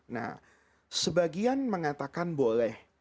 nah sebagian mengatakan boleh